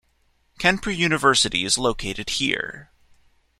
Kanpur University is located here.